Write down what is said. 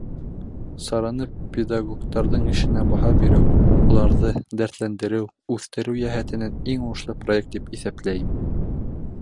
Сараны педагогтарҙың эшенә баһа биреү, уларҙы дәртләндереү, үҫтереү йәһәтенән иң уңышлы проект тип иҫәпләйем.